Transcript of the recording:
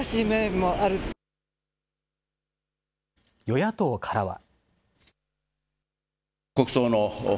与野党からは。